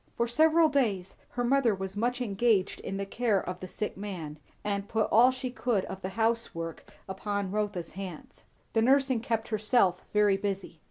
For several days her mother was much engaged in the care of the sick man, and put all she could of the housework upon Rotha's hands; the nursing kept herself very busy.